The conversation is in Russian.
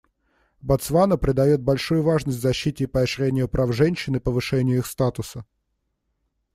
Ботсвана придает большую важность защите и поощрению прав женщин и повышению их статуса.